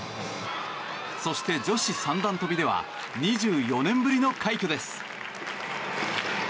そして、女子三段跳びでは２４年ぶりの快挙です。